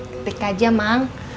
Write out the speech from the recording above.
ketik aja emang